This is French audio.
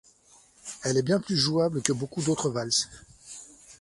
Elle est bien plus jouable que beaucoup d'autres valses.